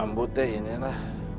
ambo teh inilah